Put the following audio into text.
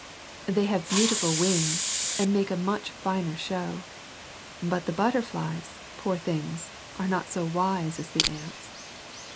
They have beautiful wings, and make a much finer show. But the butterflies, poor things, are not so wise as the ants.